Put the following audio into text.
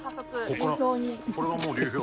これがもう流氷？